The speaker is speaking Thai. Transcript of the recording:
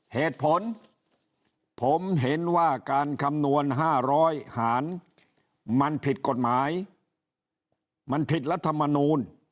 เหตุผลผมเห็นว่าการคำนวณ๕๐๐หารมันผิดกฎหมายมันผิดรัฐมนูล